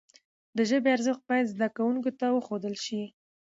د ژبي ارزښت باید زدهکوونکو ته وښودل سي.